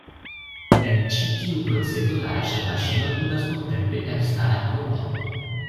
En ĉi tiu procezo la raŝel-maŝinoj ludas nuntempe elstaran rolon.